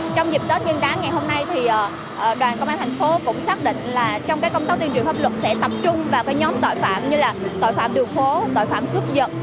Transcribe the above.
trong dịp tết nguyên đáng ngày hôm nay thì đoàn công an thành phố cũng xác định là trong công tác tuyên truyền pháp luật sẽ tập trung vào nhóm tội phạm như là tội phạm đường phố tội phạm cướp giật